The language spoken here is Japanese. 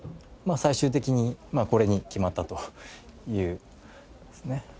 最終的にこれに決まったという。